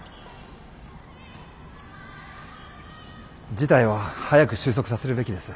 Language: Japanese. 事態を早く収束させるべきです。